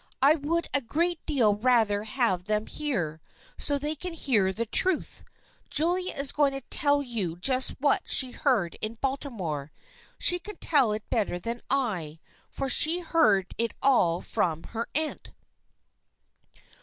" I would a great deal rather have them here, so they can hear the truth. Julia is going to tell you just what she heard in Baltimore. She can tell it better than I, for she heard it all from her aunt."